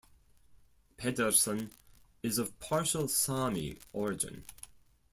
Pedersen is of partial Sami origin.